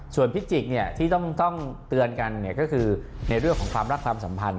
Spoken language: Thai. ส่วนพิจิกที่ต้องเตือนกันก็คือในเรื่องของความรักความสัมพันธ